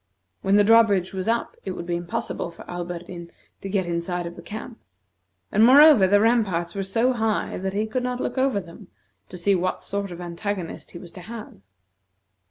When the drawbridge was up, it would be impossible for Alberdin to get inside of the camp; and, moreover, the ramparts were so high that he could not look over them to see what sort of antagonist he was to have.